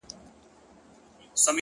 هره ورځ د بدلون نوې دروازه ده’